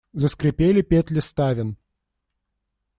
Заскрипели петли ставен.